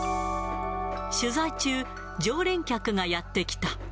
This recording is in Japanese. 取材中、常連客がやって来た。